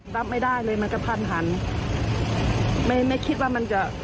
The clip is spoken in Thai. ถ้าทิ้งมันจะติดเชื้อและจะลาม